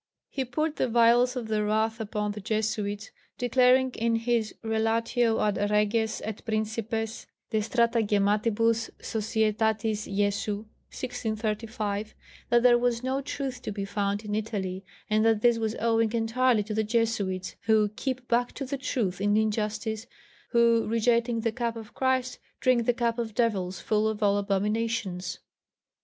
He poured the vials of his wrath upon the Jesuits, declaring in his Relatio ad reges et principes de stratagematibus Societatis Jesu (1635) that there was no truth to be found in Italy, and that this was owing entirely to the Jesuits, who "keep back the truth in injustice, who, rejecting the cup of Christ, drink the cup of devils full of all abominations."